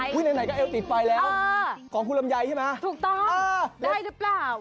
เพราะยกไม่ยกมันรออยู่เต็มที่แล้ว